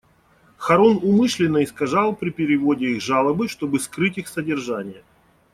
Харун умышленно искажал при переводе их жалобы, чтобы скрыть их содержание.